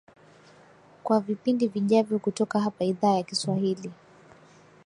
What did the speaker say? kwa vipindi vijavyo kutoka hapa idhaa ya kiswahili